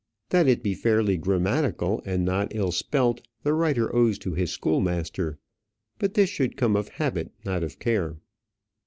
That it be fairly grammatical and not ill spelt the writer owes to his schoolmaster; but this should come of habit, not of care.